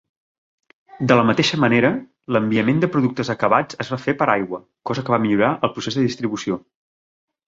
De la mateixa manera, l'enviament de productes acabats es va fer per aigua, cosa que va millorar el procés de distribució.